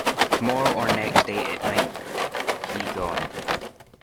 Tomorrow or next day it might he gone.